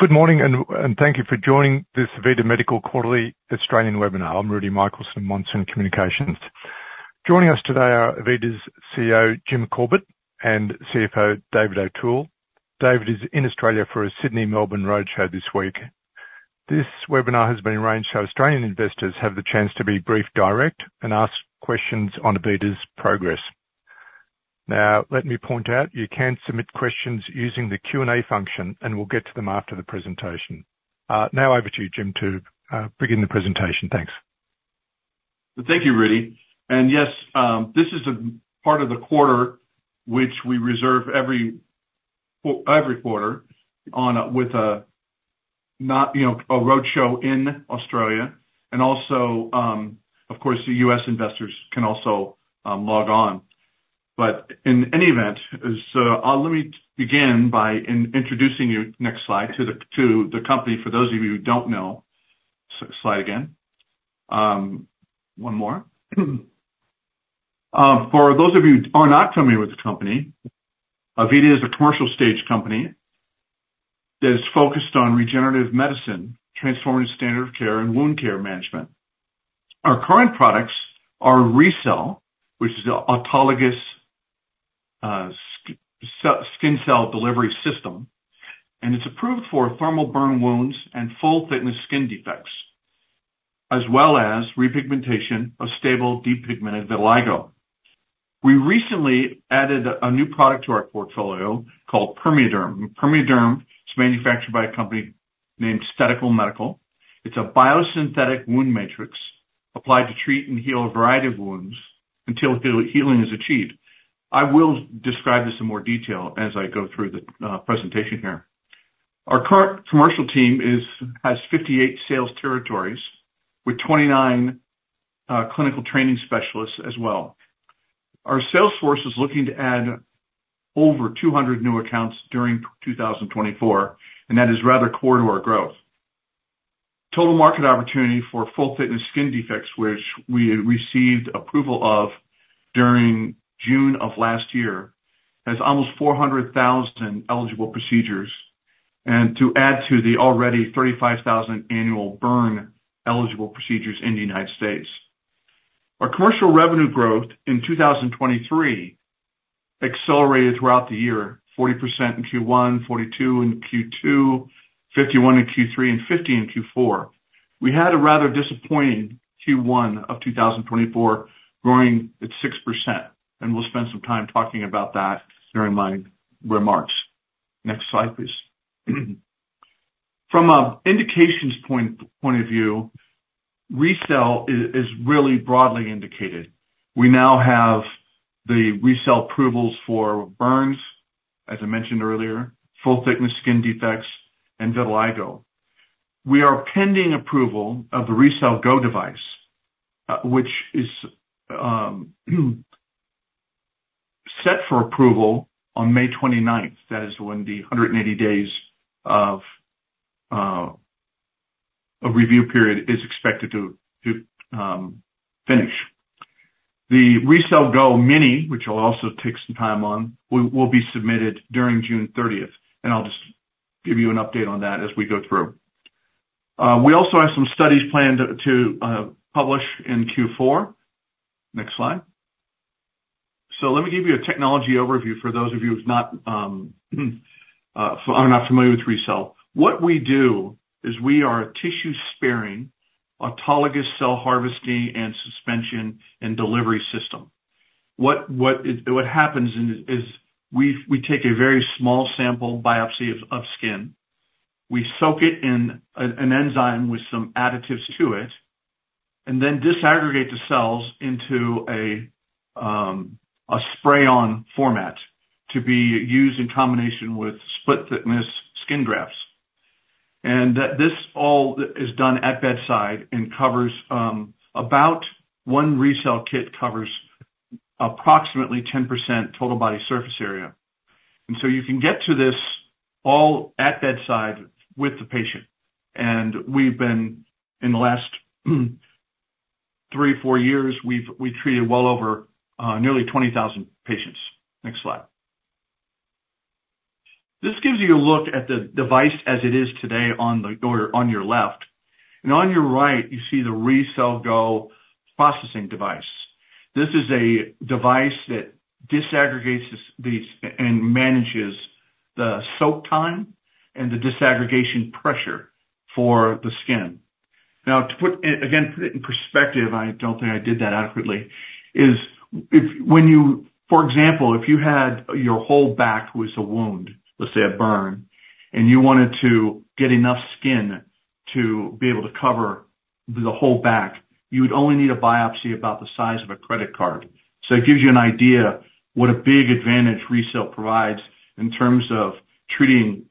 Good morning, and thank you for joining this AVITA Medical Quarterly Australian Webinar. I'm Rudi Michelson from Monsoon Communications. Joining us today are AVITA's CEO, Jim Corbett, and CFO, David O'Toole. David is in Australia for a Sydney, Melbourne roadshow this week. This webinar has been arranged so Australian investors have the chance to be briefed direct and ask questions on AVITA's progress. Now, let me point out, you can submit questions using the Q&A function, and we'll get to them after the presentation. Now over to you, Jim, to begin the presentation. Thanks. Thank you, Rudi. And yes, this is a part of the quarter which we reserve every quarter with a, not, you know, a roadshow in Australia, and also, of course, the U.S. investors can also log on. But in any event, as... Let me begin by introducing you, next slide, to the, to the company, for those of you who don't know. Slide again. One more. For those of you who are not familiar with the company, AVITA is a commercial stage company that is focused on regenerative medicine, transforming standard of care and wound care management. Our current products are RECELL, which is an autologous skin cell delivery system, and it's approved for thermal burn wounds and full-thickness skin defects, as well as repigmentation of stable depigmented vitiligo. We recently added a new product to our portfolio called PermeaDerm. PermeaDerm is manufactured by a company named Stedical Scientific. It's a biosynthetic wound matrix applied to treat and heal a variety of wounds until healing is achieved. I will describe this in more detail as I go through the presentation here. Our current commercial team has 58 sales territories, with 29 clinical training specialists as well. Our sales force is looking to add over 200 new accounts during 2024, and that is rather core to our growth. Total market opportunity for full-thickness skin defects, which we received approval of during June of last year, has almost 400,000 eligible procedures, and to add to the already 35,000 annual burn-eligible procedures in the United States. Our commercial revenue growth in 2023 accelerated throughout the year, 40% in Q1, 42% in Q2, 51% in Q3, and 50% in Q4. We had a rather disappointing Q1 of 2024, growing at 6%, and we'll spend some time talking about that during my remarks. Next slide, please. From a indications point of view, RECELL is really broadly indicated. We now have the RECELL approvals for burns, as I mentioned earlier, full-thickness skin defects, and vitiligo. We are pending approval of the RECELL GO device, which is set for approval on May 29. That is when the 180 days of a review period is expected to finish. The RECELL GO Mini, which I'll also take some time on, will be submitted during June thirtieth, and I'll just give you an update on that as we go through. We also have some studies planned to publish in Q4. Next slide. So let me give you a technology overview for those of you who are not familiar with RECELL. What we do is we are a tissue-sparing, autologous cell harvesting and suspension and delivery system. What happens is we take a very small sample biopsy of skin. We soak it in an enzyme with some additives to it, and then disaggregate the cells into a spray-on format to be used in combination with split-thickness skin grafts. And that this all is done at bedside and covers about one RECELL kit covers approximately 10% total body surface area. And so you can get to this all at bedside with the patient, and we've been in the last 3-4 years, we've treated well over nearly 20,000 patients. Next slide. This gives you a look at the device as it is today on the, or on your left, and on your right, you see the RECELL GO processing device. This is a device that disaggregates these, and manages the soak time and the disaggregation pressure for the skin. Now, to put it again in perspective, I don't think I did that adequately, is if when you... For example, if you had your whole back was a wound, let's say a burn, and you wanted to get enough skin to be able to cover the whole back, you would only need a biopsy about the size of a credit card. So it gives you an idea what a big advantage RECELL provides in terms of treating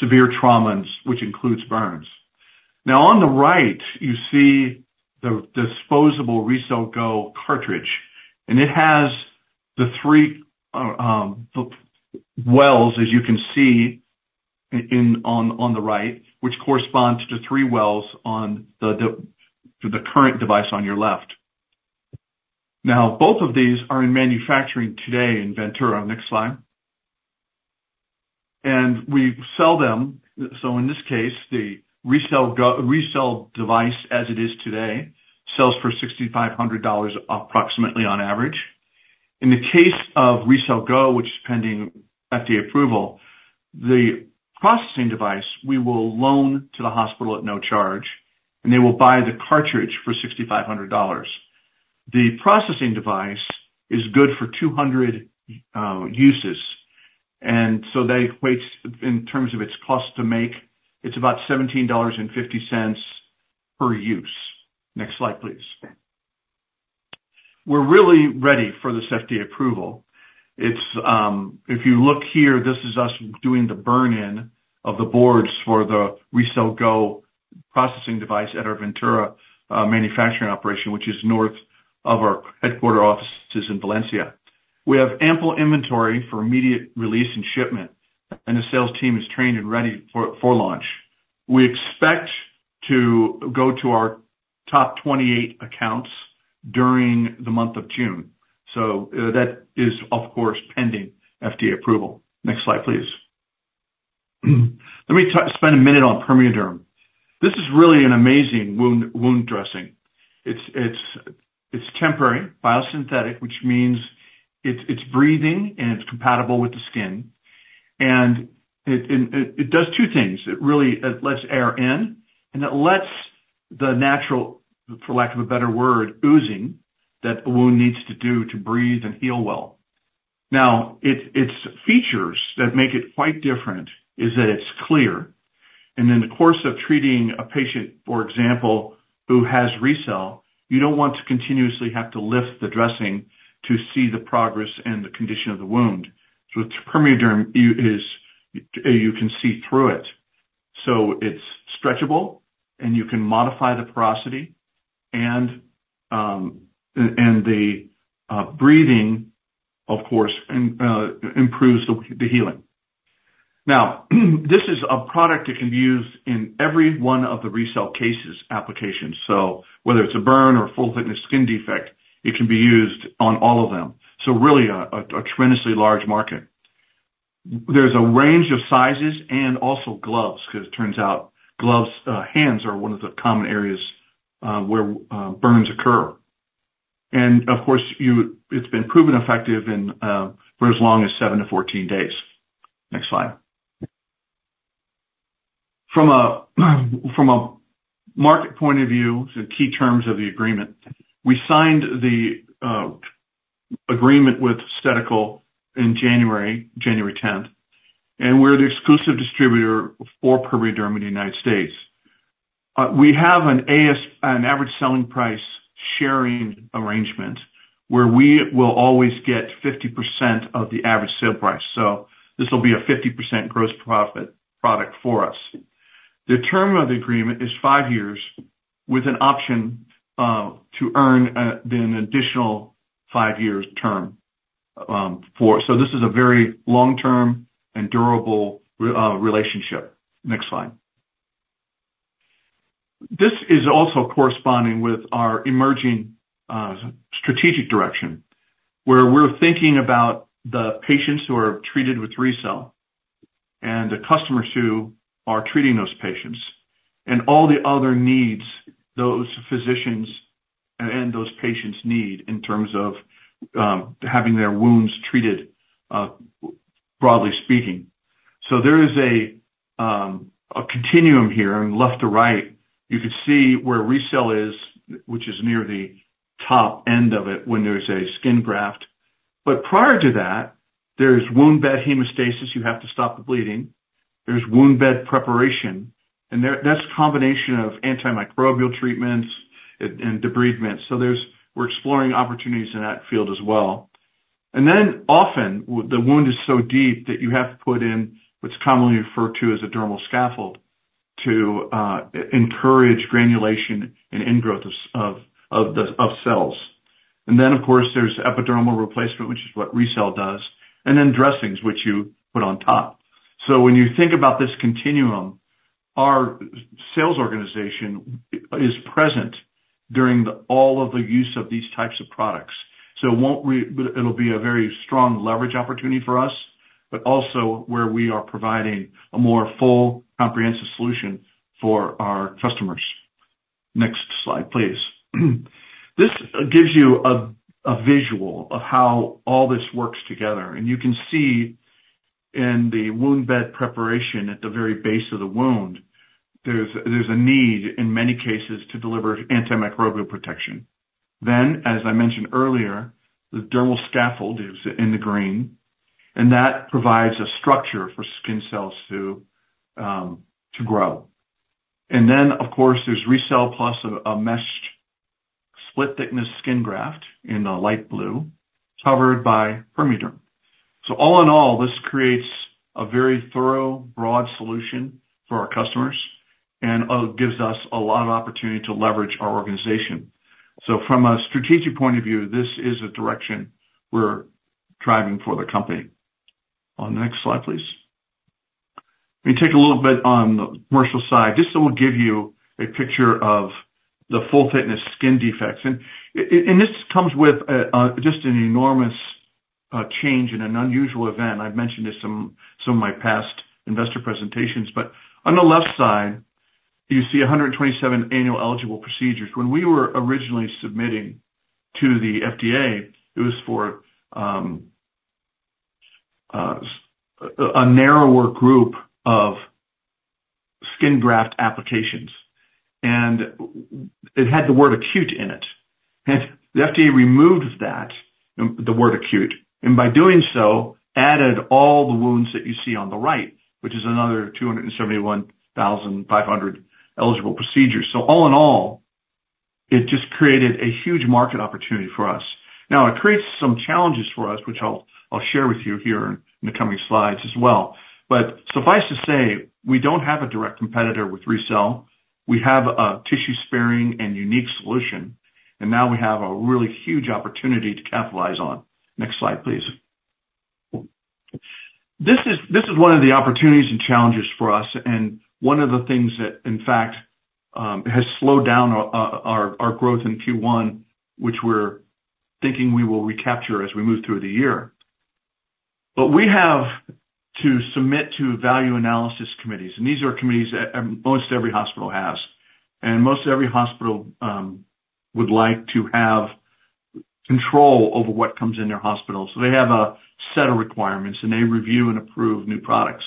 severe traumas, which includes burns. Now, on the right, you see the disposable RECELL GO cartridge, and it has the three, the wells, as you can see in, on the right, which corresponds to the three wells on the, the, to the current device on your left. Now, both of these are in manufacturing today in Ventura. Next slide. We sell them, so in this case, the RECELL GO device, as it is today, sells for $6,500 approximately on average. In the case of RECELL GO, which is pending FDA approval, the processing device, we will loan to the hospital at no charge, and they will buy the cartridge for $6,500. The processing device is good for 200 uses, and so that equates in terms of its cost to make, it's about $17.50 per use. Next slide, please. We're really ready for this FDA approval. It's, if you look here, this is us doing the burn-in of the boards for the RECELL GO processing device at our Ventura manufacturing operation, which is north of our headquarters offices in Valencia. We have ample inventory for immediate release and shipment, and the sales team is trained and ready for launch. We expect to go to our top 28 accounts during the month of June, so that is, of course, pending FDA approval. Next slide, please. Let me spend a minute on PermeaDerm. This is really an amazing wound dressing. It's temporary, biosynthetic, which means it's breathing, and it's compatible with the skin, and it does two things: It really lets air in, and it lets the natural, for lack of a better word, oozing that a wound needs to do to breathe and heal well. Now, its features that make it quite different is that it's clear, and in the course of treating a patient, for example, who has RECELL, you don't want to continuously have to lift the dressing to see the progress and the condition of the wound. So with PermeaDerm, you can see through it, so it's stretchable, and you can modify the porosity and the breathing, of course, improves the healing. Now, this is a product that can be used in every one of the RECELL cases applications. So whether it's a burn or full thickness skin defect, it can be used on all of them. So really, a tremendously large market. There's a range of sizes and also gloves, 'cause it turns out gloves, hands are one of the common areas where burns occur. And of course, it's been proven effective in for as long as 7-14 days. Next slide. From a market point of view, the key terms of the agreement, we signed the agreement with Stedical in January tenth, and we're the exclusive distributor for PermeaDerm in the United States. We have an average selling price sharing arrangement, where we will always get 50% of the average sale price, so this will be a 50% gross profit product for us. The term of the agreement is five years, with an option to earn an additional five-years term. So this is a very long-term and durable relationship. Next slide. This is also corresponding with our emerging strategic direction, where we're thinking about the patients who are treated with RECELL, and the customers who are treating those patients, and all the other needs those physicians and those patients need in terms of having their wounds treated, broadly speaking. So there is a continuum here, and left to right, you can see where RECELL is, which is near the top end of it when there's a skin graft. But prior to that, there's wound bed hemostasis. You have to stop the bleeding. There's wound bed preparation, and there, that's a combination of antimicrobial treatments and debridement, so we're exploring opportunities in that field as well. And then, often, the wound is so deep that you have to put in what's commonly referred to as a dermal scaffold, to encourage granulation and ingrowth of cells. And then, of course, there's epidermal replacement, which is what RECELL does, and then dressings, which you put on top. So when you think about this continuum, our sales organization is present during all of the use of these types of products, so it'll be a very strong leverage opportunity for us, but also where we are providing a more full, comprehensive solution for our customers. Next slide, please. This gives you a visual of how all this works together, and you can see in the wound bed preparation, at the very base of the wound, there's a need, in many cases, to deliver antimicrobial protection. Then, as I mentioned earlier, the dermal scaffold is in the green, and that provides a structure for skin cells to to grow. And then, of course, there's RECELL plus a meshed split-thickness skin graft in the light blue, covered by PermeaDerm. So all in all, this creates a very thorough, broad solution for our customers and gives us a lot of opportunity to leverage our organization. So from a strategic point of view, this is the direction we're driving for the company. On the next slide, please... We take a little bit on the commercial side, just so we'll give you a picture of the full thickness skin defects. And this comes with just an enormous change and an unusual event. I've mentioned this some of my past investor presentations, but on the left side, you see 127 annual eligible procedures. When we were originally submitting to the FDA, it was for a narrower group of skin graft applications, and it had the word acute in it. And the FDA removed that, the word acute, and by doing so, added all the wounds that you see on the right, which is another 271,500 eligible procedures. So all in all, it just created a huge market opportunity for us. Now, it creates some challenges for us, which I'll share with you here in the coming slides as well. But suffice to say, we don't have a direct competitor with RECELL. We have a tissue sparing and unique solution, and now we have a really huge opportunity to capitalize on. Next slide, please. This is one of the opportunities and challenges for us, and one of the things that, in fact, has slowed down our growth in Q1, which we're thinking we will recapture as we move through the year. But we have to submit to Value Analysis Committees, and these are committees that most every hospital has. And most every hospital would like to have control over what comes in their hospital. So they have a set of requirements, and they review and approve new products.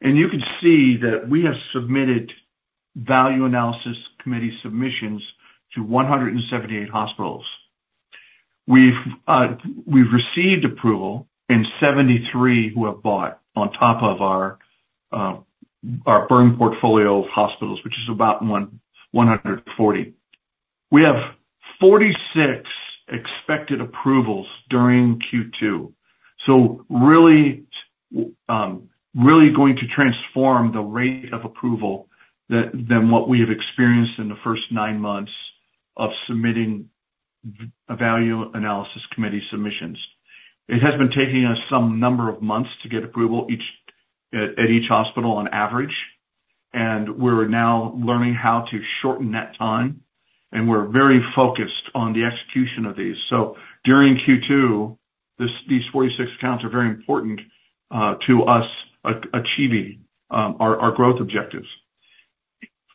And you can see that we have submitted Value Analysis Committee submissions to 178 hospitals. We've received approval in 73 who have bought on top of our burn portfolio of hospitals, which is about 140. We have 46 expected approvals during Q2, so really going to transform the rate of approval than what we have experienced in the first nine months of submitting a Value Analysis Committee submissions. It has been taking us some number of months to get approval each at each hospital on average, and we're now learning how to shorten that time, and we're very focused on the execution of these. So during Q2, these 46 accounts are very important to us achieving our growth objectives.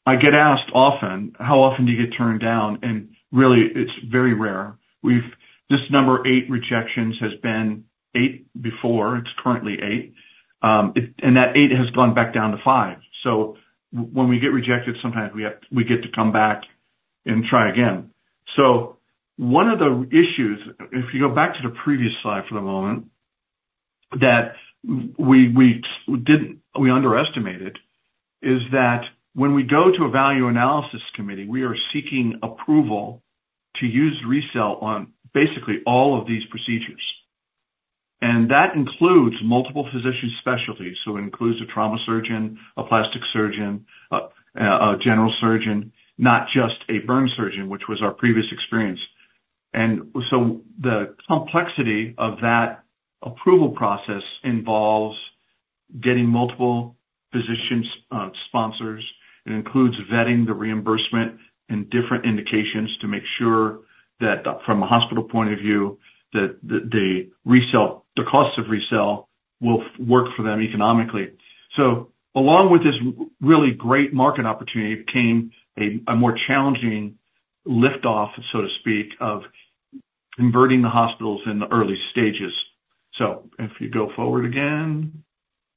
I get asked often: "How often do you get turned down?" And really, it's very rare. This number eight rejections has been 8 before, it's currently 8. And that 8 has gone back down to 5. So when we get rejected, sometimes we get to come back and try again. So one of the issues, if you go back to the previous slide for the moment, that we underestimated, is that when we go to a value analysis committee, we are seeking approval to use RECELL on basically all of these procedures. And that includes multiple physician specialties, so includes a trauma surgeon, a plastic surgeon, a general surgeon, not just a burn surgeon, which was our previous experience. And so the complexity of that approval process involves getting multiple physicians sponsors. It includes vetting the reimbursement and different indications to make sure that from a hospital point of view, that the RECELL, the cost of RECELL will work for them economically. So along with this really great market opportunity, came a more challenging lift-off, so to speak, of converting the hospitals in the early stages. So if you go forward again.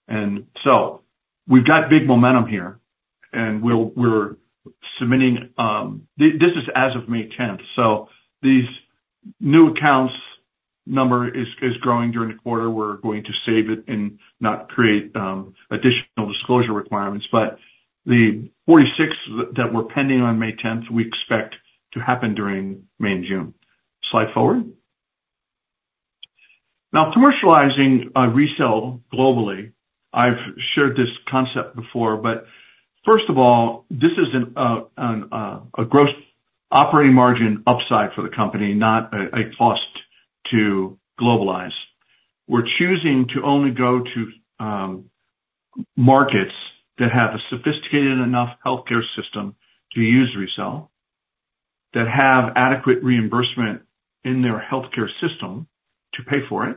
And so we've got big momentum here, and we're submitting. This is as of May tenth, so these new accounts number is growing during the quarter. We're going to save it and not create additional disclosure requirements, but the 46 that were pending on May tenth, we expect to happen during May and June. Slide forward. Now, commercializing RECELL globally, I've shared this concept before, but first of all, this is a gross operating margin upside for the company, not a cost to globalize. We're choosing to only go to markets that have a sophisticated enough healthcare system to use RECELL, that have adequate reimbursement in their healthcare system to pay for it,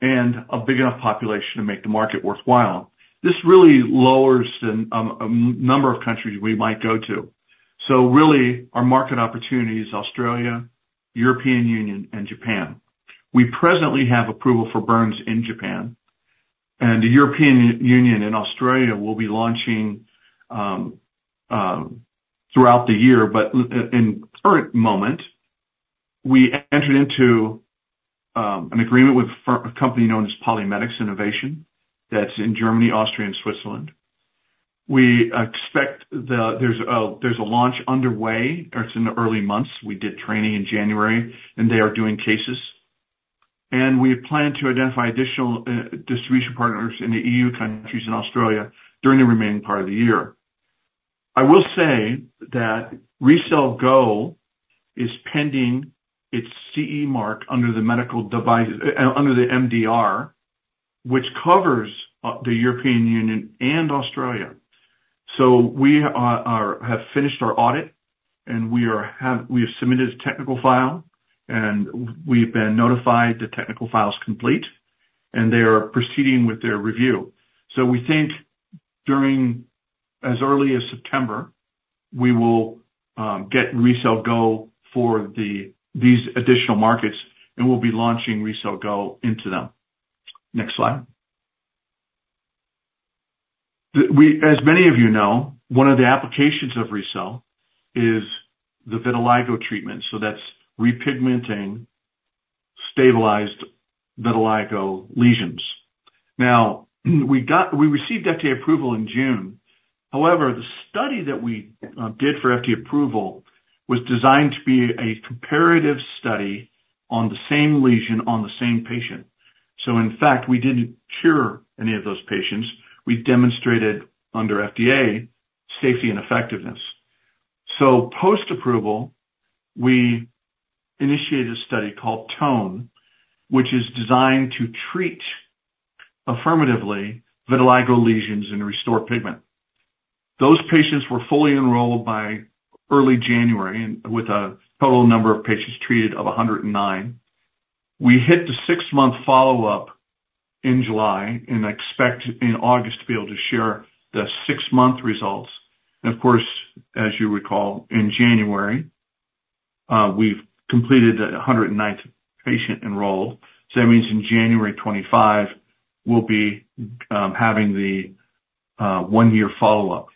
and a big enough population to make the market worthwhile. This really lowers the number of countries we might go to. So really, our market opportunity is Australia, European Union, and Japan. We presently have approval for burns in Japan, and the European Union and Australia will be launching throughout the year. But in the current moment, we entered into an agreement with a company known as PolyMedics Innovations, that's in Germany, Austria, and Switzerland. We expect the... There's a launch underway. It's in the early months. We did training in January, and they are doing cases. We plan to identify additional distribution partners in the EU countries and Australia during the remaining part of the year. I will say that RECELL GO is pending its CE Mark under the medical device under the MDR, which covers the European Union and Australia. So we have finished our audit, and we have submitted a technical file, and we've been notified the technical file is complete, and they are proceeding with their review. So we think during as early as September, we will get RECELL GO for these additional markets, and we'll be launching RECELL GO into them. Next slide. As many of you know, one of the applications of RECELL is the vitiligo treatment, so that's repigmenting stabilized vitiligo lesions. Now, we received FDA approval in June. However, the study that we did for FDA approval was designed to be a comparative study on the same lesion on the same patient. So in fact, we didn't cure any of those patients. We demonstrated, under FDA, safety and effectiveness. So post-approval, we initiated a study called TONE, which is designed to treat affirmatively vitiligo lesions and restore pigment. Those patients were fully enrolled by early January, and with a total number of patients treated of 109. We hit the six-month follow-up in July and expect in August to be able to share the six-month results. And of course, as you recall, in January, we've completed the 109th patient enrolled. So that means in January 2025, we'll be having the one-year follow-up.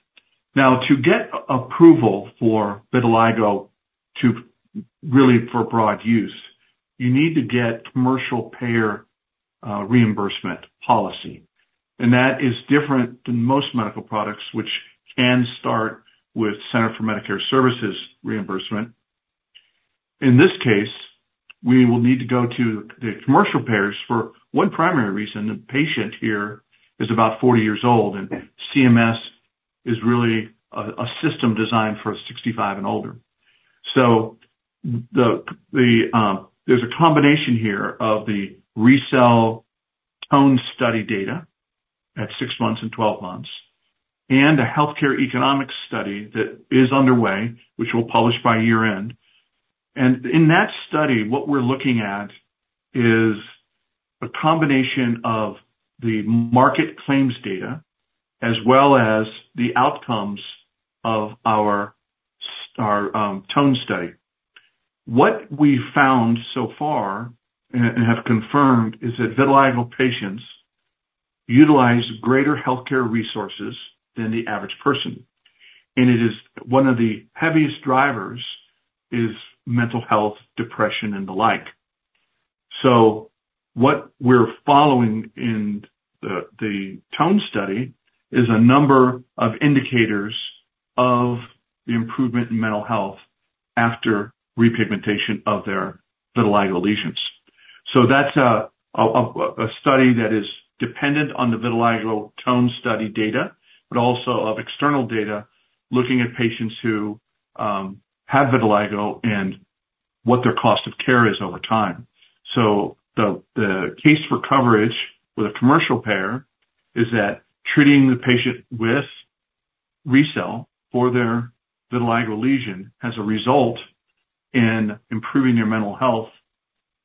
Now, to get approval for vitiligo to really for broad use, you need to get commercial payer reimbursement policy, and that is different than most medical products, which can start with Centers for Medicare and Medicaid Services reimbursement. In this case, we will need to go to the commercial payers for one primary reason, the patient here is about 40 years old, and CMS is really a system designed for 65 and older. So there's a combination here of the RECELL TONE study data at 6 months and 12 months, and a healthcare economic study that is underway, which we'll publish by year-end. And in that study, what we're looking at is a combination of the market claims data, as well as the outcomes of our TONE study. What we've found so far, and have confirmed, is that vitiligo patients utilize greater healthcare resources than the average person, and it is one of the heaviest drivers, is mental health, depression, and the like. So what we're following in the TONE study is a number of indicators of the improvement in mental health after repigmentation of their vitiligo lesions. So that's a study that is dependent on the vitiligo TONE study data, but also of external data, looking at patients who have vitiligo and what their cost of care is over time. So the case for coverage with a commercial payer is that treating the patient with RECELL for their vitiligo lesion has a result in improving their mental health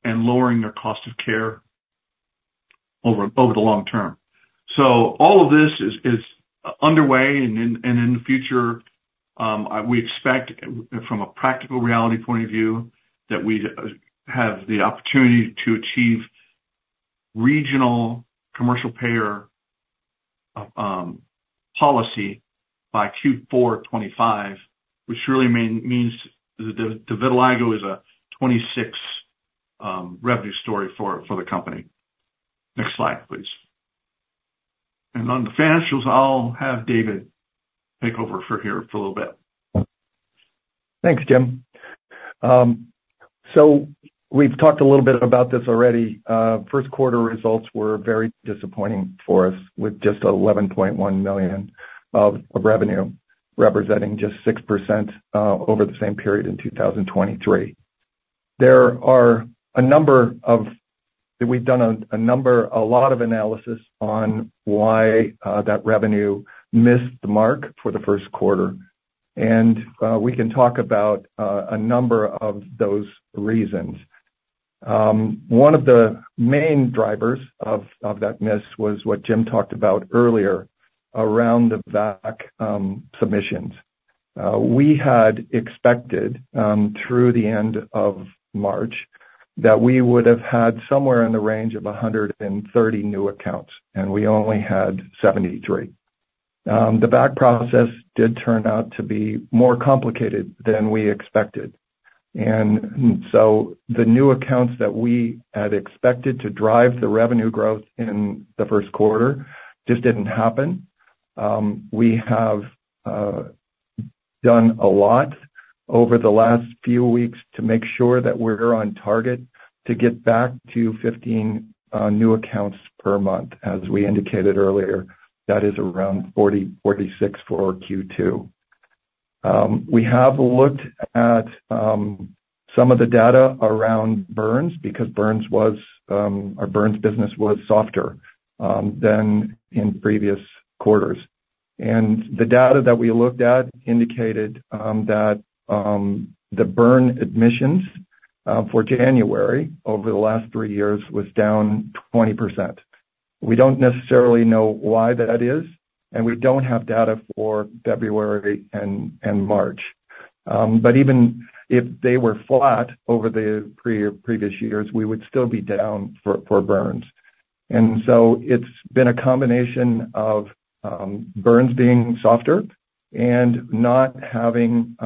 and lowering their cost of care over the long-term. So all of this is underway, and in the future, we expect from a practical reality point of view, that we'd have the opportunity to achieve regional commercial payer policy by Q4 2025, which really means the vitiligo is a 2026 revenue story for the company. Next slide, please. And on the financials, I'll have David take over from here for a little bit. Thanks, Jim. So we've talked a little bit about this already. First quarter results were very disappointing for us, with just $11.1 million of revenue, representing just 6% over the same period in 2023. There are a number of that we've done a lot of analysis on why that revenue missed the mark for the first quarter, and we can talk about a number of those reasons. One of the main drivers of that miss was what Jim talked about earlier, around the VAC submissions. We had expected, through the end of March, that we would have had somewhere in the range of 130 new accounts, and we only had 73. The VAC process did turn out to be more complicated than we expected, and so the new accounts that we had expected to drive the revenue growth in the first quarter just didn't happen. We have done a lot over the last few weeks to make sure that we're on target to get back to 15 new accounts per month, as we indicated earlier. That is around 40-46 for Q2. We have looked at some of the data around burns, because burns was our burns business was softer than in previous quarters. And the data that we looked at indicated that the burn admissions for January over the last 3 years was down 20%. We don't necessarily know why that is, and we don't have data for February and March. But even if they were flat over the previous years, we would still be down for burns. And so it's been a combination of burns being softer and not having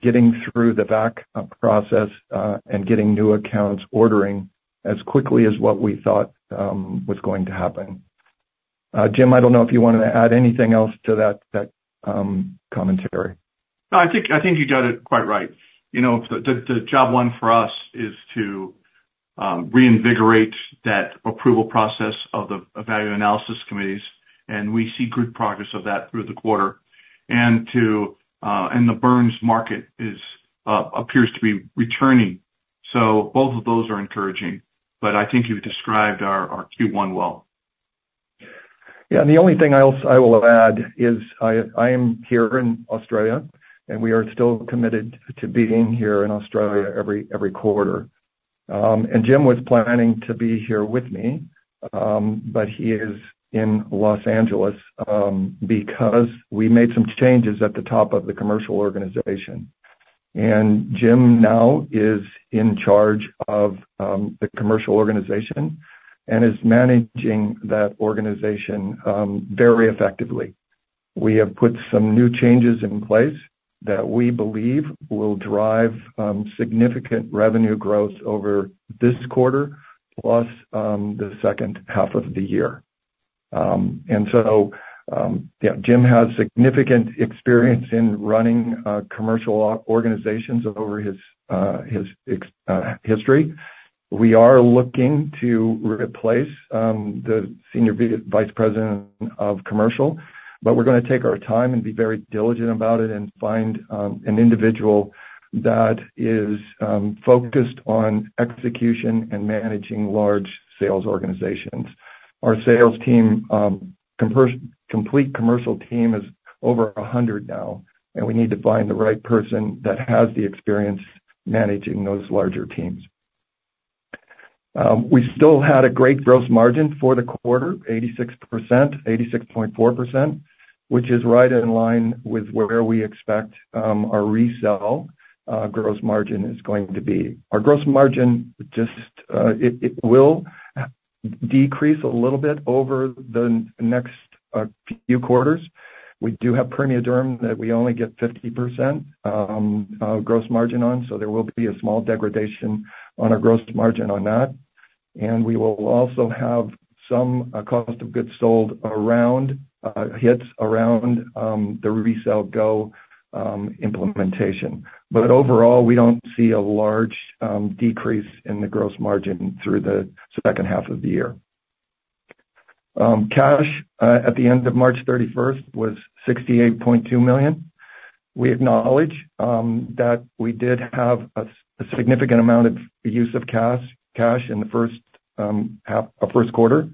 getting through the VAC process, and getting new accounts ordering as quickly as what we thought was going to happen. Jim, I don't know if you wanted to add anything else to that commentary. No, I think you got it quite right. You know, the job one for us is to reinvigorate that approval process of the value analysis committees, and we see good progress of that through the quarter. And the burns market appears to be returning. So both of those are encouraging, but I think you described our Q1 well. Yeah, and the only thing I will add is I am here in Australia, and we are still committed to being here in Australia every quarter. Jim was planning to be here with me, but he is in Los Angeles because we made some changes at the top of the commercial organization. Jim now is in charge of the commercial organization and is managing that organization very effectively. We have put some new changes in place that we believe will drive significant revenue growth over this quarter, plus the second half of the year. So, yeah, Jim has significant experience in running commercial organizations over his extensive history. We are looking to replace the Senior Vice President of Commercial, but we're gonna take our time and be very diligent about it and find an individual that is focused on execution and managing large sales organizations. Our sales team, complete commercial team, is over 100 now, and we need to find the right person that has the experience managing those larger teams. We still had a great gross margin for the quarter, 86%, 86.4%, which is right in line with where we expect our RECELL gross margin is going to be. Our gross margin, just, will decrease a little bit over the next few quarters. We do have PermeaDerm that we only get 50% gross margin on, so there will be a small degradation on our gross margin on that. We will also have some cost of goods sold around the RECELL GO implementation. But overall, we don't see a large decrease in the gross margin through the second half of the year. Cash at the end of March 31 was $68.2 million. We acknowledge that we did have a significant amount of use of cash in the first quarter.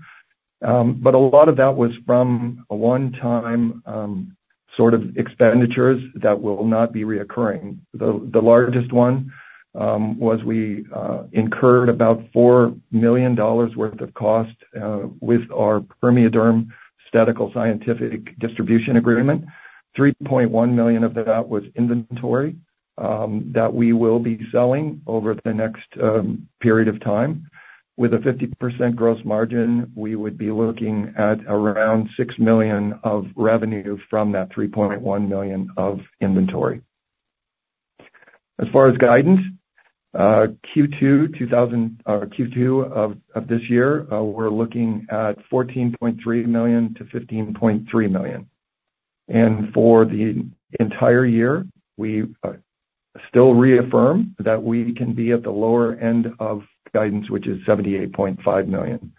But a lot of that was from a one-time sort of expenditures that will not be recurring. The largest one was we incurred about $4 million worth of cost with our PermeaDerm Stedical Scientific distribution agreement. $3.1 million of that was inventory that we will be selling over the next period of time. With a 50% gross margin, we would be looking at around $6 million of revenue from that $3.1 million of inventory. As far as guidance, Q2 of this year, we're looking at $14.3 million-$15.3 million. And for the entire year, we still reaffirm that we can be at the lower end of guidance, which is $78.5 million.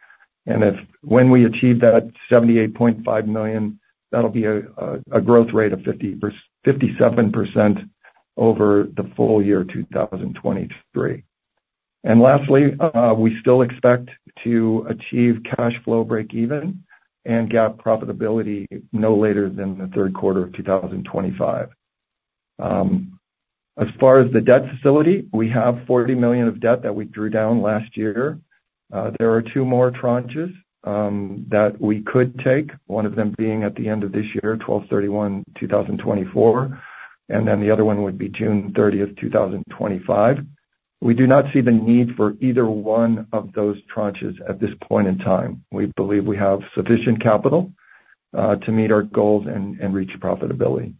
And when we achieve that $78.5 million, that'll be a growth rate of 57% over the full year 2023. And lastly, we still expect to achieve cash flow break even and GAAP profitability no later than the third quarter of 2025. As far as the debt facility, we have $40 million of debt that we drew down last year. There are two more tranches that we could take. One of them being at the end of this year, 12/31/2024, and then the other one would be June thirtieth, 2025. We do not see the need for either one of those tranches at this point in time. We believe we have sufficient capital to meet our goals and reach profitability.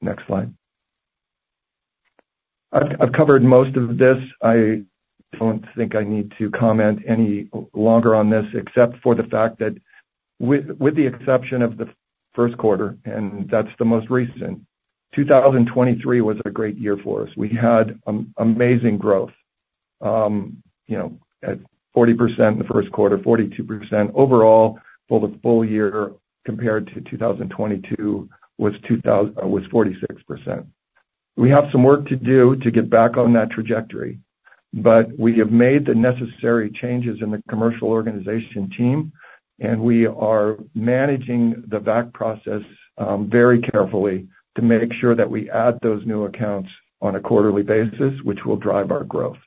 Next slide. I've covered most of this. I-... I don't think I need to comment any longer on this, except for the fact that with the exception of the first quarter, and that's the most recent, 2023 was a great year for us. We had amazing growth, you know, at 40% in the first quarter, 42% overall for the full year, compared to 2022, was 46%. We have some work to do to get back on that trajectory, but we have made the necessary changes in the commercial organization team, and we are managing the VAC process very carefully to make sure that we add those new accounts on a quarterly basis, which will drive our growth.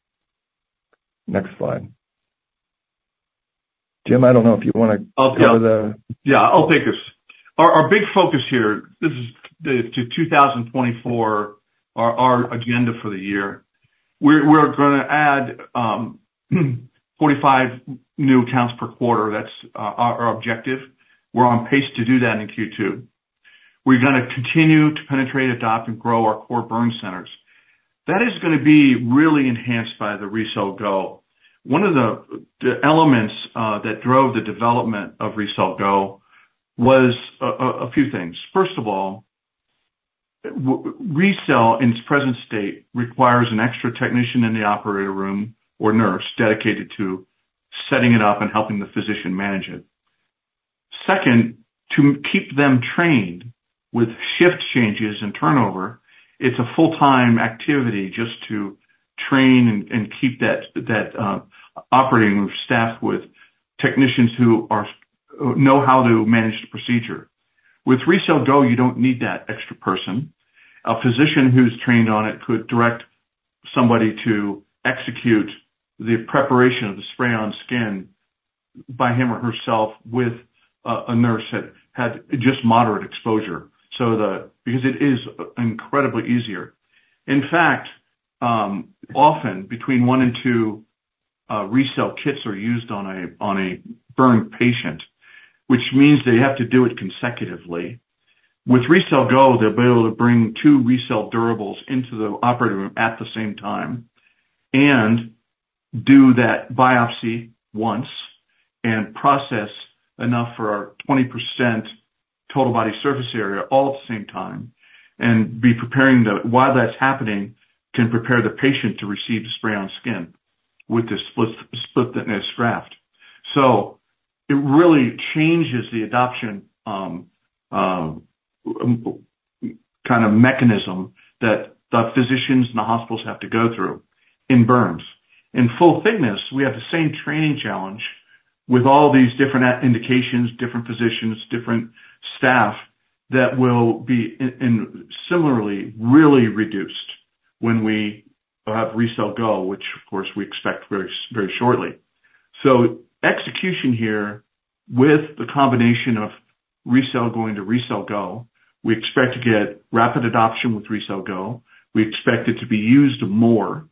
Next slide. Jim, I don't know if you wanna- I'll, yeah. Go to the- Yeah, I'll take this. Our big focus here, this is the 2024, our agenda for the year. We're gonna add 45 new accounts per quarter. That's our objective. We're on pace to do that in Q2. We're gonna continue to penetrate, adopt, and grow our core burn centers. That is gonna be really enhanced by the RECELL GO. One of the elements that drove the development of RECELL GO was a few things. First of all, RECELL, in its present state, requires an extra technician in the operating room, or nurse, dedicated to setting it up and helping the physician manage it. Second, to keep them trained with shift changes and turnover, it's a full-time activity just to train and keep that operating staff with technicians who know how to manage the procedure. With RECELL GO, you don't need that extra person. A physician who's trained on it could direct somebody to execute the preparation of the spray-on skin by him or herself with a nurse that had just moderate exposure. So the—because it is incredibly easier. In fact, often between 1 and 2 RECELL kits are used on a burn patient, which means they have to do it consecutively. With RECELL GO, they'll be able to bring two RECELL durables into the operating room at the same time, and do that biopsy once, and process enough for our 20% total body surface area, all at the same time, and be preparing the... While that's happening, can prepare the patient to receive the spray-on skin with the split, split-thickness graft. So it really changes the adoption, kind of mechanism that the physicians and the hospitals have to go through in burns. In full thickness, we have the same training challenge with all these different indications, different physicians, different staff, that will be in similarly really reduced when we have RECELL GO, which of course, we expect very, very shortly. So execution here, with the combination of RECELL going to RECELL GO, we expect to get rapid adoption with RECELL GO. We expect it to be used more,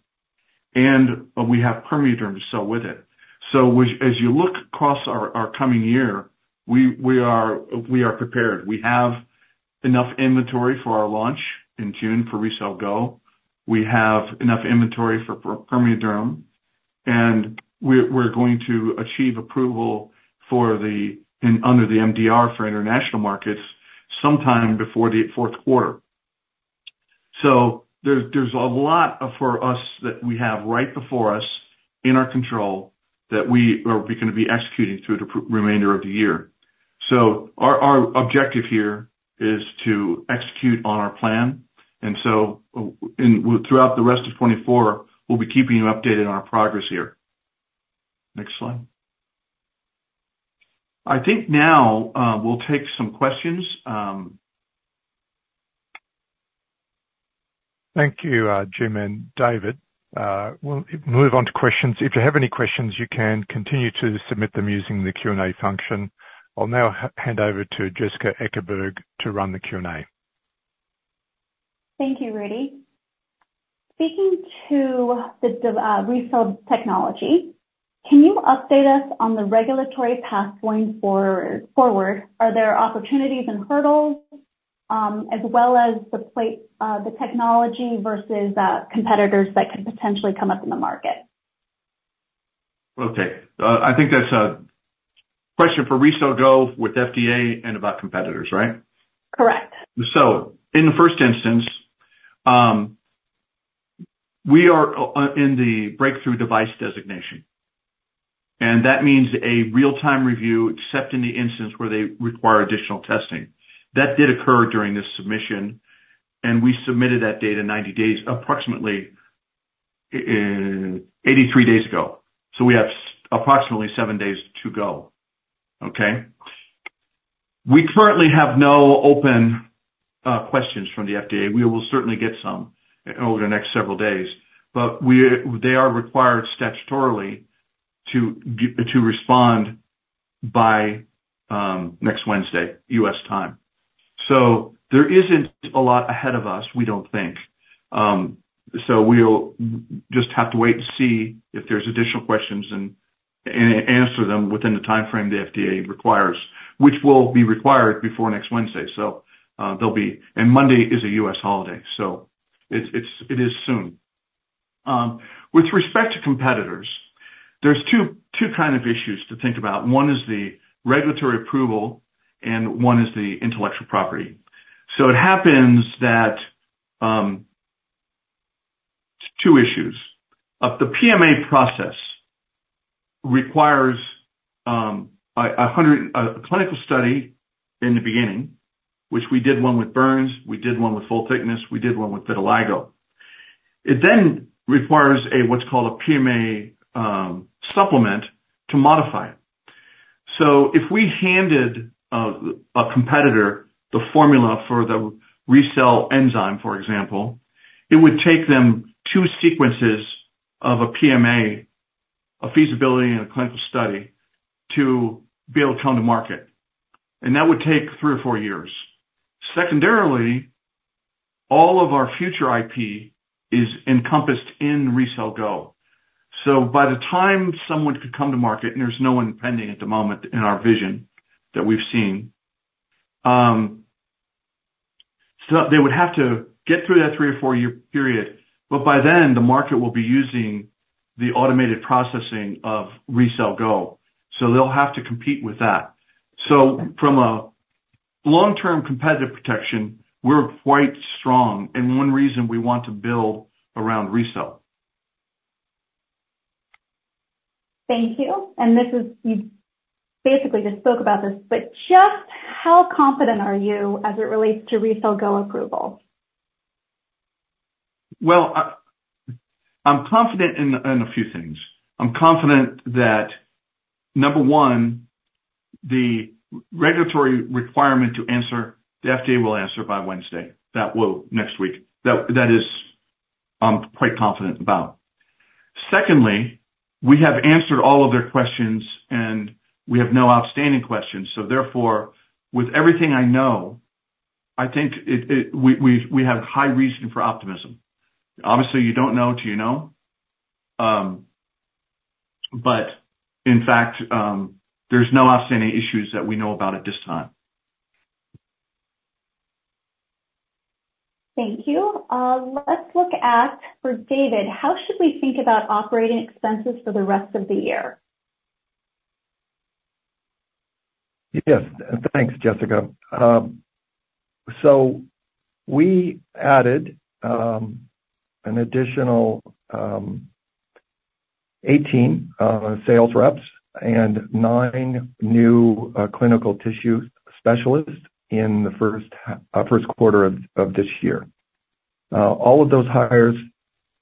and, but we have PermeaDerm to sell with it. So, as you look across our coming year, we are prepared. We have enough inventory for our launch in June for RECELL GO. We have enough inventory for PermeaDerm, and we're going to achieve approval for the, and under the MDR for international markets, sometime before the fourth quarter. So there's a lot for us that we have right before us, in our control, that we are gonna be executing through the remainder of the year. So our objective here is to execute on our plan, and so throughout the rest of 2024, we'll be keeping you updated on our progress here. Next slide. I think now we'll take some questions. Thank you, Jim and David. We'll move on to questions. If you have any questions, you can continue to submit them using the Q&A function. I'll now hand over to Jessica Ekeberg to run the Q&A. Thank you, Rudi. Speaking to the RECELL technology, can you update us on the regulatory path going forward? Are there opportunities and hurdles, as well as the platform, the technology versus competitors that could potentially come up in the market? Okay. I think that's a question for RECELL GO with FDA and about competitors, right? Correct. So in the first instance, we are in the breakthrough device designation, and that means a real-time review, except in the instance where they require additional testing. That did occur during this submission, and we submitted that data 90 days, approximately, 83 days ago. So we have approximately 7 days to go, okay? We currently have no open questions from the FDA. We will certainly get some over the next several days, but we... They are required statutorily to respond by next Wednesday, U.S. time. So there isn't a lot ahead of us, we don't think. So we'll just have to wait and see if there's additional questions and answer them within the timeframe the FDA requires, which will be required before next Wednesday. So, they'll be and Monday is a U.S. holiday, so it's soon. With respect to competitors, there's two kind of issues to think about. One is the regulatory approval, and one is the intellectual property. So it happens that two issues. Of the PMA process requires a clinical study in the beginning, which we did one with burns, we did one with full thickness, we did one with vitiligo. It then requires a what's called a PMA supplement, to modify it. So if we handed a competitor the formula for the RECELL enzyme, for example, it would take them two sequences of a PMA, a feasibility and a clinical study to be able to come to market, and that would take three or four years. Secondarily, all of our future IP is encompassed in RECELL GO. By the time someone could come to market, and there's no one pending at the moment in our vision that we've seen, so they would have to get through that 3- or 4-year period, but by then, the market will be using the automated processing of RECELL GO, so they'll have to compete with that. From a long-term competitive protection, we're quite strong, and one reason we want to build around RECELL. Thank you. This is, you basically just spoke about this, but just how confident are you as it relates to RECELL GO approval? Well, I'm confident in a few things. I'm confident that, number one, the regulatory requirement to answer, the FDA will answer by Wednesday, that will next week. That is, I'm quite confident about. Secondly, we have answered all of their questions, and we have no outstanding questions. So therefore, with everything I know, I think it, we have high reason for optimism. Obviously, you don't know till you know. But in fact, there's no outstanding issues that we know about at this time. Thank you. Let's look at, for David, how should we think about operating expenses for the rest of the year? Yes, thanks, Jessica. So we added an additional 18 sales reps and 9 new clinical tissue specialists in the first quarter of this year. All of those hires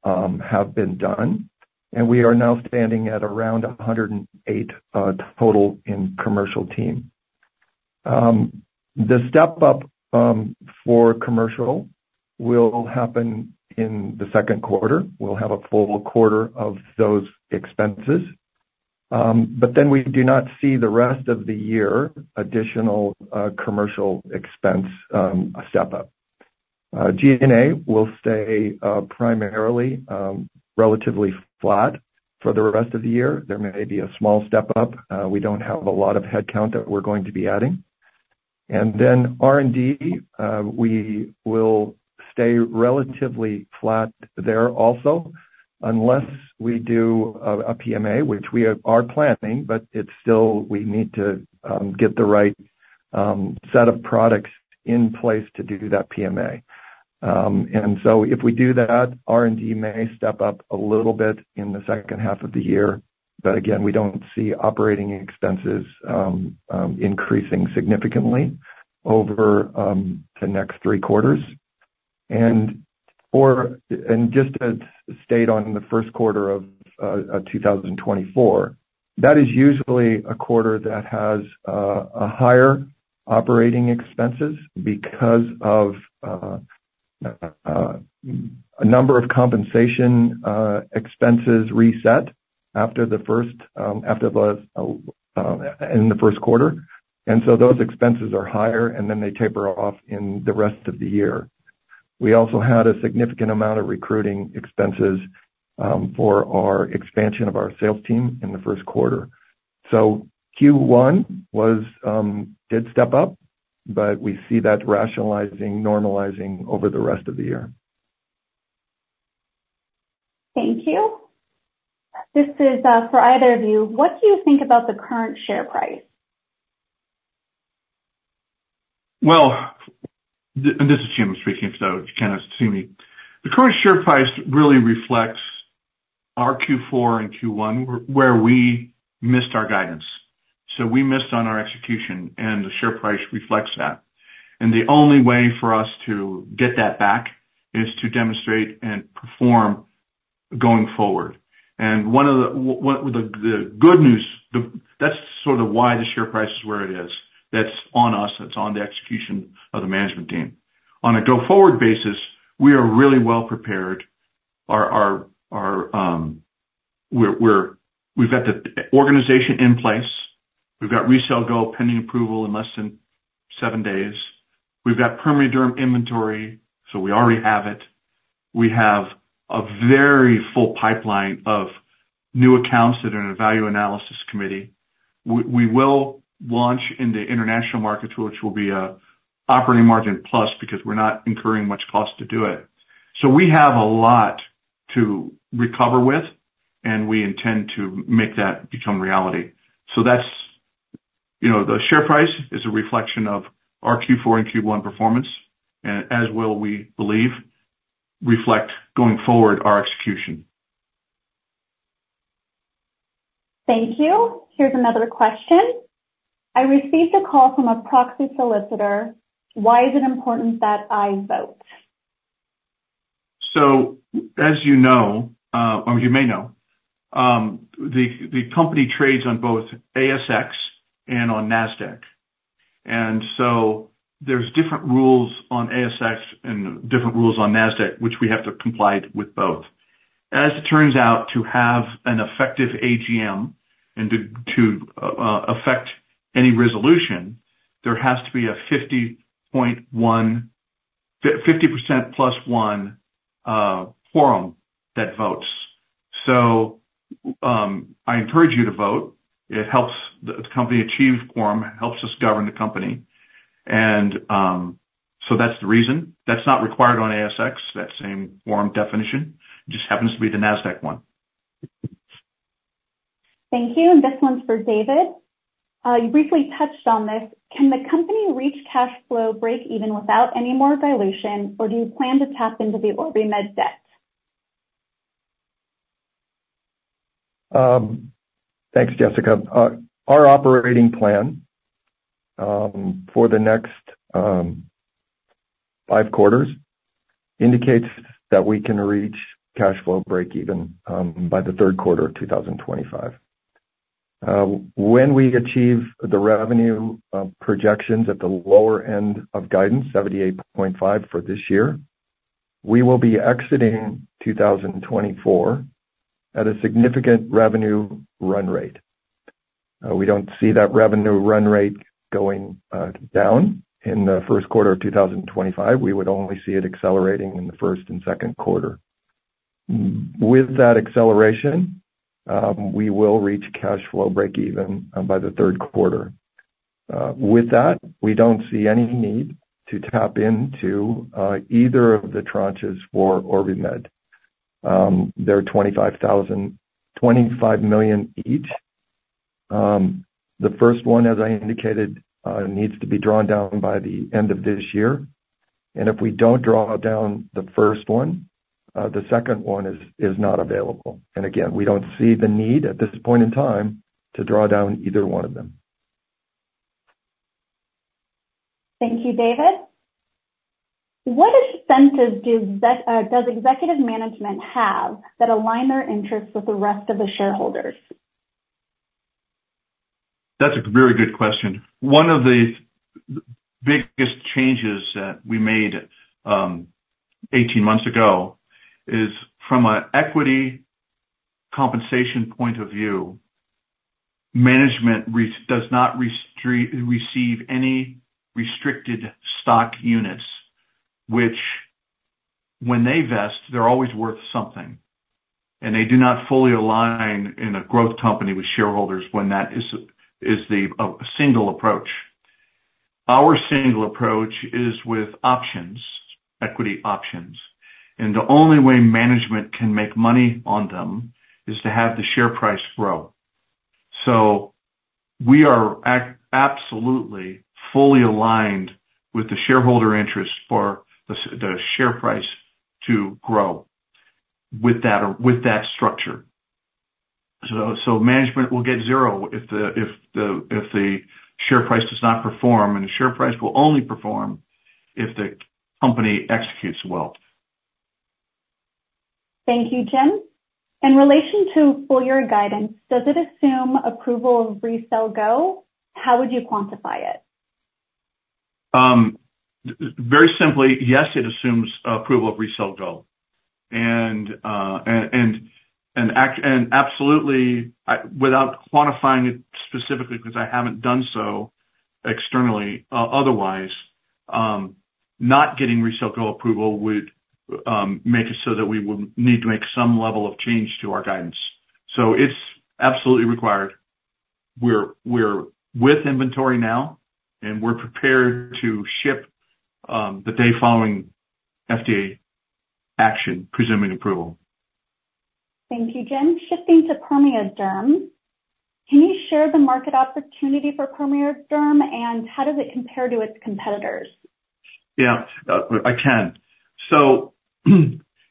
have been done, and we are now standing at around 108 total in commercial team. The step up for commercial will happen in the second quarter. We'll have a full quarter of those expenses, but then we do not see the rest of the year additional commercial expense step up. G&A will stay primarily relatively flat for the rest of the year. There may be a small step up. We don't have a lot of headcount that we're going to be adding. And then R&D, we will stay relatively flat there also, unless we do a PMA, which we are planning, but it's still, we need to get the right set of products in place to do that PMA. And so if we do that, R&D may step up a little bit in the second half of the year, but again, we don't see operating expenses increasing significantly over the next three quarters. And just to stay on the first quarter of 2024, that is usually a quarter that has a higher operating expenses because of a number of compensation expenses reset after the first, after the, in the first quarter. And so those expenses are higher, and then they taper off in the rest of the year. We also had a significant amount of recruiting expenses for our expansion of our sales team in the first quarter. So Q1 did step up, but we see that rationalizing, normalizing over the rest of the year. Thank you. This is for either of you. What do you think about the current share price? Well, and this is Jim speaking, so you kind of see me. The current share price really reflects our Q4 and Q1, where we missed our guidance, so we missed on our execution, and the share price reflects that. And the only way for us to get that back is to demonstrate and perform going forward. And one of the, the good news, the -- that's sort of why the share price is where it is. That's on us. That's on the execution of the management team. On a go-forward basis, we are really well prepared. Our, our, our, we're, we're, we've got the organization in place. We've got RECELL GO pending approval in less than seven days. We've got PermeaDerm inventory, so we already have it. We have a very full pipeline of new accounts that are in a Value Analysis Committee. We will launch in the international markets, which will be a operating margin plus, because we're not incurring much cost to do it. So we have a lot to recover with, and we intend to make that become reality. So that's, you know, the share price is a reflection of our Q4 and Q1 performance, and as will, we believe, reflect going forward, our execution. Thank you. Here's another question: I received a call from a proxy solicitor. Why is it important that I vote? So as you know, or you may know, the company trades on both ASX and on NASDAQ, and so there's different rules on ASX and different rules on NASDAQ, which we have to comply with both. As it turns out, to have an effective AGM and to affect any resolution, there has to be a 50% plus one quorum that votes. So, I encourage you to vote. It helps the company achieve quorum, it helps us govern the company. And, so that's the reason. That's not required on ASX, that same quorum definition. It just happens to be the NASDAQ one. Thank you. This one's for David. You briefly touched on this. Can the company reach cash flow breakeven without any more dilution, or do you plan to tap into the OrbiMed debt? Thanks, Jessica. Our operating plan for the next 5 quarters indicates that we can reach cash flow breakeven by the third quarter of 2025. When we achieve the revenue projections at the lower end of guidance, $78.5 million for this year, we will be exiting 2024 at a significant revenue run rate. We don't see that revenue run rate going down in the first quarter of 2025. We would only see it accelerating in the first and second quarter. With that acceleration, we will reach cash flow breakeven by the third quarter. With that, we don't see any need to tap into either of the tranches for OrbiMed. They're $25 million each. The first one, as I indicated, needs to be drawn down by the end of this year, and if we don't draw down the first one, the second one is not available. Again, we don't see the need, at this point in time, to draw down either one of them. Thank you, David. What incentives does executive management have that align their interests with the rest of the shareholders? That's a very good question. One of the biggest changes that we made 18 months ago is, from an equity compensation point of view, management does not receive any restricted stock units, which when they vest, they're always worth something, and they do not fully align in a growth company with shareholders when that is the single approach. Our single approach is with options, equity options, and the only way management can make money on them is to have the share price grow. So we are absolutely, fully aligned with the shareholder interest for the share price to grow with that structure. So management will get 0 if the share price does not perform, and the share price will only perform if the company executes well. Thank you, Jim. In relation to full year guidance, does it assume approval of RECELL GO? How would you quantify it? Very simply, yes, it assumes approval of RECELL GO. And absolutely, without quantifying it specifically, because I haven't done so externally, otherwise, not getting RECELL GO approval would make it so that we would need to make some level of change to our guidance, so it's absolutely required. We're with inventory now, and we're prepared to ship the day following FDA action, presuming approval. Thank you, Jim. Shifting to PermeaDerm, can you share the market opportunity for PermeaDerm, and how does it compare to its competitors? Yeah, I can. So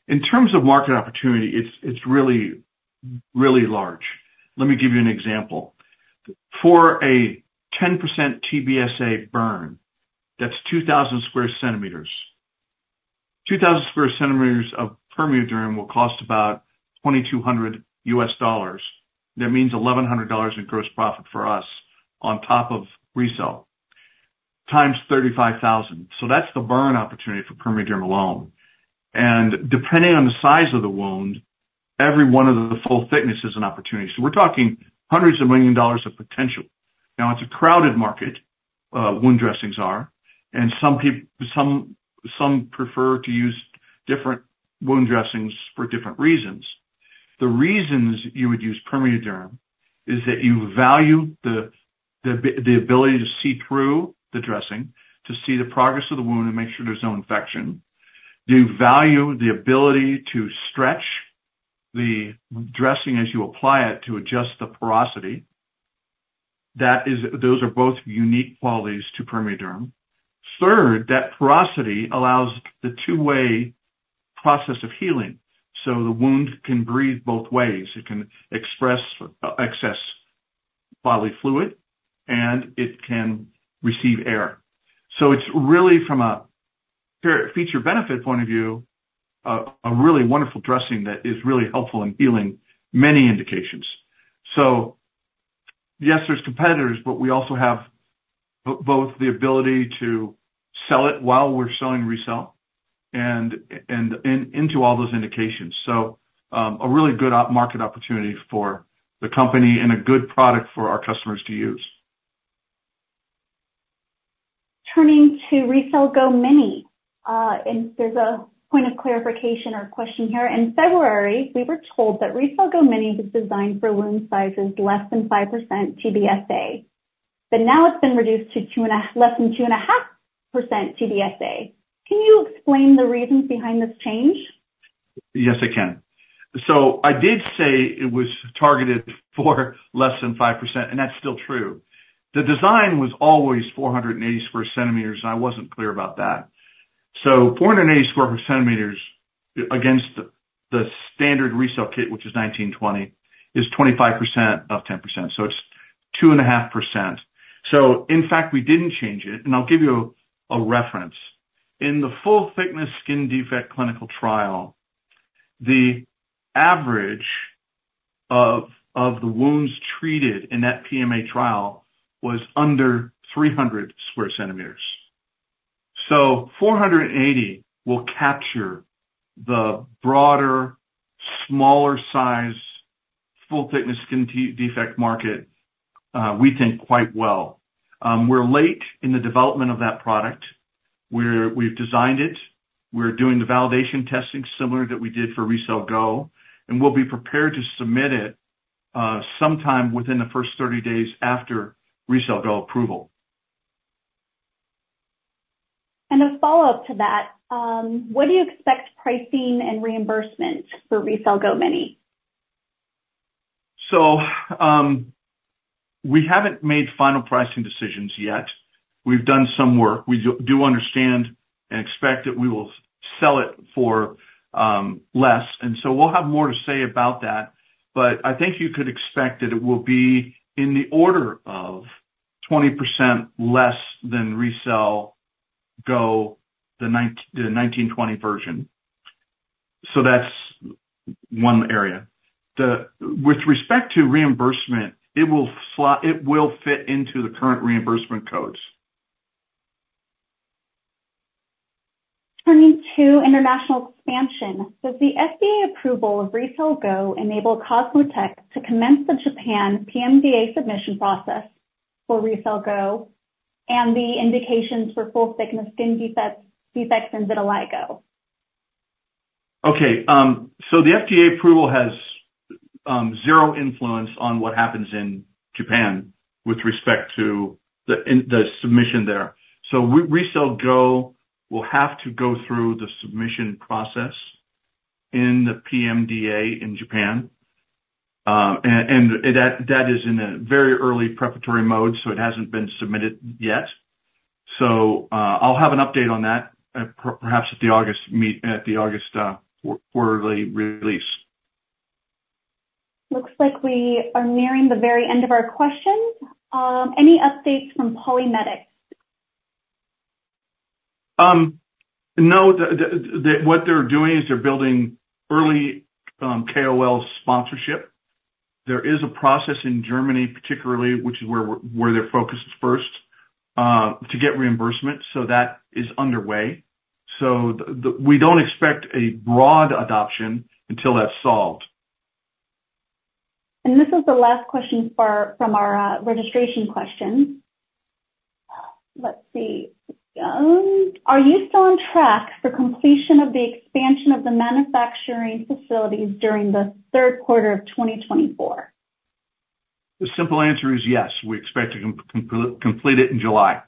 in terms of market opportunity, it's, it's really, really large. Let me give you an example. For a 10% TBSA burn, that's 2000 square centimeters. 2000 square centimeters of PermeaDerm will cost about $2200. That means $1100 in gross profit for us on top of RECELL, times 35,000. So that's the burn opportunity for PermeaDerm alone, and depending on the size of the wound- every one of the full thickness is an opportunity. So we're talking hundreds of million dollars of potential. Now, it's a crowded market, wound dressings are, and some people- some prefer to use different wound dressings for different reasons. The reasons you would use PermeaDerm is that you value the ability to see through the dressing, to see the progress of the wound and make sure there's no infection. You value the ability to stretch the dressing as you apply it, to adjust the porosity. That is, those are both unique qualities to PermeaDerm. Third, that porosity allows the two-way process of healing, so the wound can breathe both ways. It can express excess bodily fluid, and it can receive air. So it's really, from a feature benefit point of view, a really wonderful dressing that is really helpful in healing many indications. So yes, there's competitors, but we also have both the ability to sell it while we're selling RECELL and into all those indications. A really good market opportunity for the company and a good product for our customers to use. Turning to RECELL GO mini, and there's a point of clarification or question here. In February, we were told that RECELL GO mini was designed for wound sizes less than 5% TBSA, but now it's been reduced to less than 2.5% TBSA. Can you explain the reasons behind this change? Yes, I can. I did say it was targeted for less than 5%, and that's still true. The design was always 480 cm², and I wasn't clear about that. 480 cm² against the standard RECELL kit, which is 1920, is 25% of 10%. It's 2.5%. In fact, we didn't change it, and I'll give you a reference. In the full thickness skin defect clinical trial, the average of the wounds treated in that PMA trial was under 300 cm². 480 will capture the broader, smaller size, full thickness skin defect market, we think, quite well. We're late in the development of that product. We've designed it. We're doing the validation testing, similar that we did for RECELL GO, and we'll be prepared to submit it, sometime within the first 30 days after RECELL GO approval. A follow-up to that, what do you expect pricing and reimbursement for RECELL GO Mini? So, we haven't made final pricing decisions yet. We've done some work. We do understand and expect that we will sell it for less, and so we'll have more to say about that. But I think you could expect that it will be in the order of 20% less than RECELL GO, the 1920 version. So that's one area. The... With respect to reimbursement, it will fit into the current reimbursement codes. Turning to international expansion, does the FDA approval of RECELL GO enable Cosmotec to commence the Japan PMDA submission process for RECELL GO, and the indications for full-thickness skin defects, defects and vitiligo? Okay, so the FDA approval has zero influence on what happens in Japan with respect to the submission there. So RECELL GO will have to go through the submission process in the PMDA in Japan. And that is in a very early preparatory mode, so it hasn't been submitted yet. So, I'll have an update on that, perhaps at the August quarterly release. Looks like we are nearing the very end of our questions. Any updates from PolyMedics? No, what they're doing is they're building early KOL sponsorship. There is a process in Germany, particularly, which is where their focus is first to get reimbursement, so that is underway. So we don't expect a broad adoption until that's solved. This is the last question from our registration questions. Let's see. Are you still on track for completion of the expansion of the manufacturing facilities during the third quarter of 2024? The simple answer is yes, we expect to complete it in July.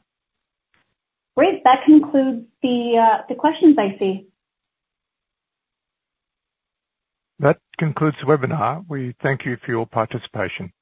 Great. That concludes the questions I see. That concludes the webinar. We thank you for your participation.